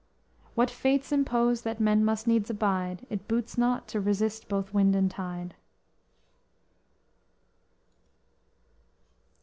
_"What fates impose, that men must needs abide; It boots not to resist both wind and tide!"